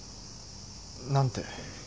何て？